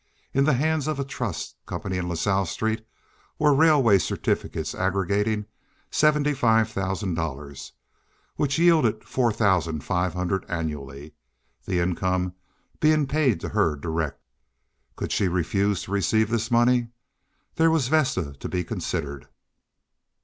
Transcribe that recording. In the hands of a trust company in La Salle Street were railway certificates aggregating seventy five thousand dollars, which yielded four thousand five hundred annually, the income being paid to her direct. Could she refuse to receive this money? There was Vesta to be considered.